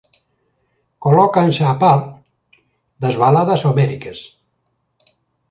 Colócanse á par das baladas homéricas.